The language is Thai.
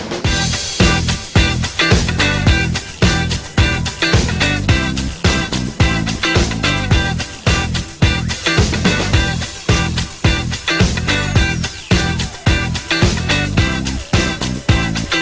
วันนี้ก็ต้องขอบคุณมากนะครับ